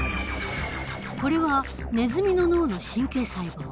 これはネズミの脳の神経細胞。